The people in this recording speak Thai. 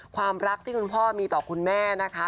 ความรักที่คุณพ่อมีต่อคุณแม่นะคะ